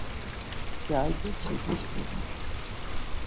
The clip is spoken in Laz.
Yargiç̌i dişumu.